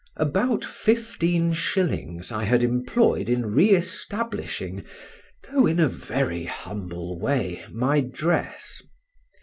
About fifteen shillings I had employed in re establishing (though in a very humble way) my dress.